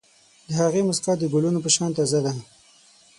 د هغې موسکا د ګلونو په شان تازه ده.